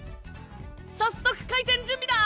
早速開店準備だ！